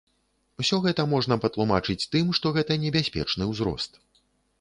Усё гэта можна патлумачыць тым, што гэта небяспечны ўзрост.